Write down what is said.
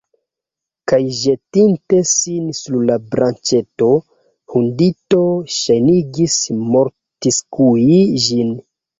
Kaj ĵetinte sin sur la branĉeto, hundido ŝajnigis mortskui ĝin.